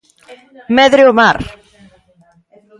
Medre o mar!